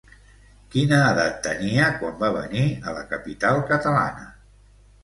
Quina edat tenia quan va venir a la capital catalana?